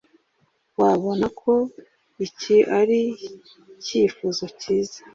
Wabona ko iki ari icyifuzo cyiza?